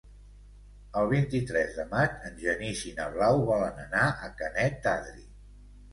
El vint-i-tres de maig en Genís i na Blau volen anar a Canet d'Adri.